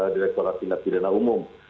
direkturat tindak pidana umum